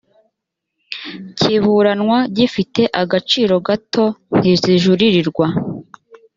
kiburanwa gifite agaciro gato ntizijuririrwa